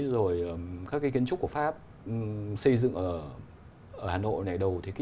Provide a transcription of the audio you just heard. rồi các cái kiến trúc của pháp xây dựng ở hà nội này đầu thế kỷ hai mươi